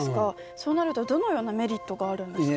そうなるとどのようなメリットがあるんですか？